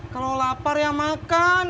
kalau lapar ya makan